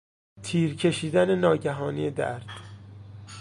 تیر کشیدن ناگهانی درد